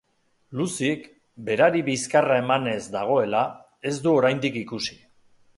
Lucyk, berari bizkarra emanez dagoela, ez du oraindik ikusi.